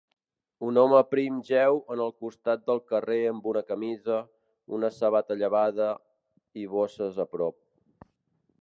Un home prim jeu en el costat del carrer amb una camisa, una sabata llevada i bosses a prop